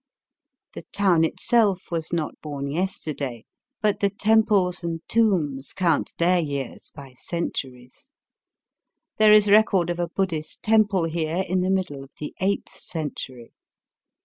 The town itself was not bom yesterday, but the temples and tombs count their years by centuries There is record of a Buddhist temple here in the middle of the eighth century.